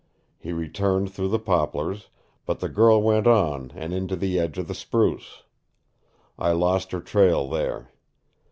He returned through the poplars, but the girl went on and into the edge of the spruce. I lost her trail there.